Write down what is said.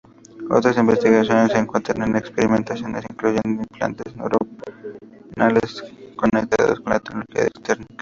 Otras investigaciones se concentran en experimentaciones incluyendo implantes neuronales conectados con tecnología externa.